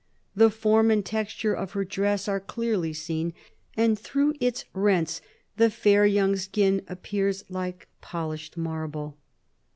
The form and texture of her dress are clearly seen; and through its rents the fair young skin appears like polished marble.